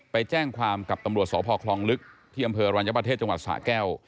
ไปแจ้งความกับตำรวจสพคลองลึกที่อำเภอรัญญประเทศจังหวัดสะแก้ว